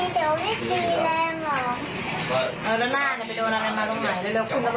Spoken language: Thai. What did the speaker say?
ด้วยถ่ายเห็นยิงจุดล้อมาครอบครับ